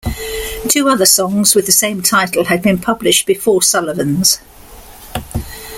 Two other songs with the same title had been published before Sullivan's.